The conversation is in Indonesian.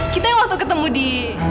kita waktu ketemu di